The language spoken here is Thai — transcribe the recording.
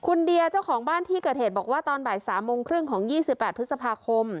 คุณเดียเจ้าของบ้านที่เกิดเหตุบอกว่าตอนบ่าย๓โมงครึ่งของ๒๘พฤษภาคม